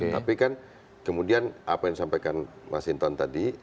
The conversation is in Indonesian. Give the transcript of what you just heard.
tapi kan kemudian apa yang sampaikan mas hinton tadi